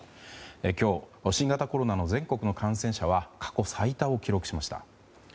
今日、新型コロナの全国の感染者は過去最多を記録しました。